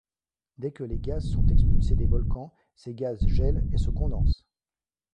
Dès que les gaz sont expulsées des volcans, ces gaz gèlent et se condensent.